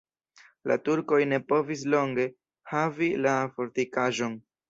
La turkoj ne povis longe havi la fortikaĵon.